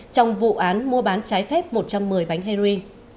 trong vụ án mua bán trái phép một trăm một mươi bánh heroin